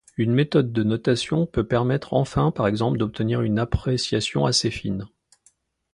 Une méthode de notation peut permettre enfin par exemple d’obtenir une appréciation assez fine.